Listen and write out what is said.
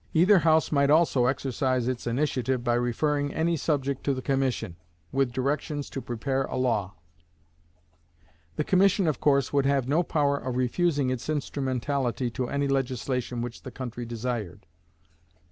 Either house might also exercise its initiative by referring any subject to the commission, with directions to prepare a law. The commission, of course, would have no power of refusing its instrumentality to any legislation which the country desired.